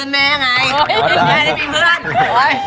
แม่เป็นเพื่อนแม่ไง